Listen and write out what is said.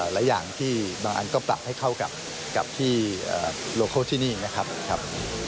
หลายอย่างที่บางอันก็ปรับให้เข้ากับที่โลโคที่นี่นะครับ